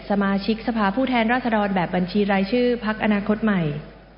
สมาชิกสภาพผู้แทนราษฎรแบบบัญชีรายชื่อพักอนาคตใหม่